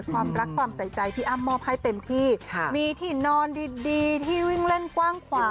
ความรักความใส่ใจพี่อ้ำมอบให้เต็มที่มีที่นอนดีดีที่วิ่งเล่นกว้างขวา